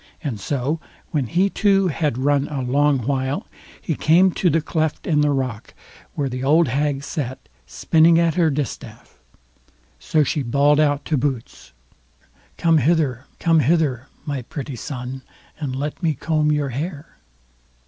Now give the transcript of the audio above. And so, when he too had run a long while, he came to the cleft in the rock, where the old hag sat, spinning at her distaff. So she bawled out to Boots: "Come hither, come hither, my pretty son, and let me comb your hair."